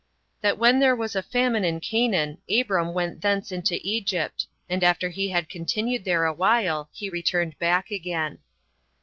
That When There Was A Famine In Canaan, Abram Went Thence Into Egypt; And After He Had Continued There A While He Returned Back Again.